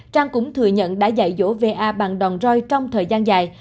trang cũng thừa nhận đã dạy dỗ va bằng đòn roy trong thời gian dài